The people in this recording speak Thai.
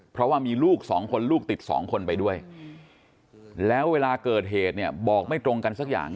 เพราะว่ามีลูกสองคนลูกติดสองคนไปด้วยแล้วเวลาเกิดเหตุเนี่ยบอกไม่ตรงกันสักอย่าง